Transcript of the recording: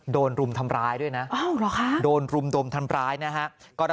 โดนรุมทำร้ายด้วยนะโดนรุมดมทำร้ายนะฮะอ้อเหรอคะ